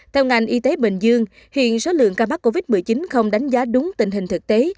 theo ngành y tế bình dương hiện số lượng ca mắc covid một mươi chín không đánh giá đúng tình hình thực tế